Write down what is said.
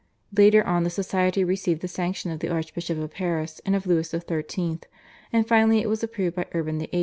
Later on the society received the sanction of the Archbishop of Paris, and of Louis XIII., and finally it was approved by Urban VIII.